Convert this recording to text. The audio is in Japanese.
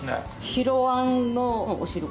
白あんのお汁粉。